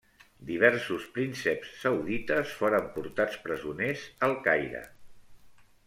Diversos prínceps saudites foren portats presoners al Caire.